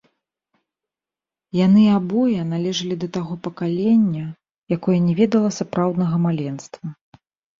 Яны абое належалі да таго пакалення, якое не ведала сапраўднага маленства.